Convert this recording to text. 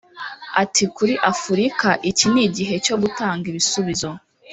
Ati“Kuri Afurika iki ni igihe cyo gutanga ibisubizo